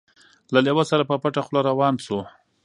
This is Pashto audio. له لېوه سره په پټه خوله روان سو